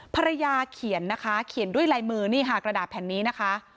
ภรรยาเขียนนะคะเขียนด้วยลายมือนี่ค่ะกระดาษแผ่นนี้นะคะ